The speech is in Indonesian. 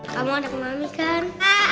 kamu ada kemami kan